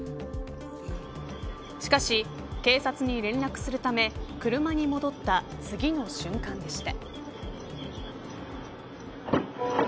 しかし警察に連絡するため車に戻った次の瞬間でした。